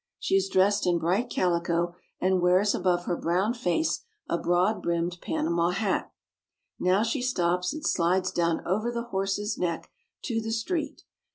She is dressed in bright calico and wears above her brown face a broad brimmed Panama hat. Now she stops and slides down over the horse's neck to the street.